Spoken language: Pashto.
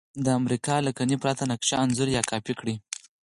د امریکا له لکنې پرته نقشه انځور یا کاپي کړئ.